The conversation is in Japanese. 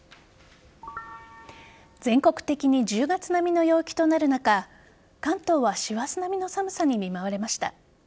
全国的に１０月並みの陽気となる中関東は師走並みの寒さに見舞われました。